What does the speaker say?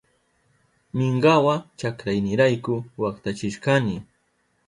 Minkawa chakraynirayku waktachishkani.